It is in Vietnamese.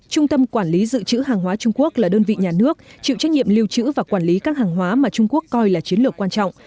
trung tâm quản lý dự trữ hàng hóa trung quốc là đơn vị nhà nước chịu trách nhiệm lưu trữ và quản lý các hàng hóa mà trung quốc coi là chiến lược quan trọng